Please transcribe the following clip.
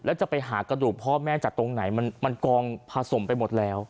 แล้วจะไปหากระดูกพ่อแม่จากตรงไหนมันกองผสมไปหมดแล้ว